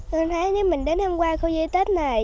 nên thấy nếu mình đến thêm qua khu viên di tích này